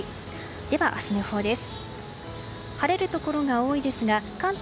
では、明日の予報です。